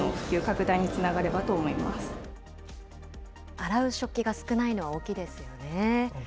洗う食器が少ないのは大きいですよね。